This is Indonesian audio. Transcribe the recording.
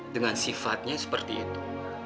dengan sifatnya seperti itu